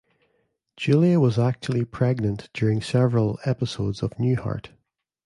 Julia was actually pregnant during several episodes of "Newhart".